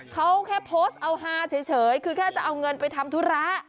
เขาแค่โพสต์เอาฮาเฉยคือแค่จะเอาเงินไปทำธุระ